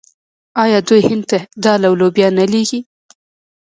آیا دوی هند ته دال او لوبیا نه لیږي؟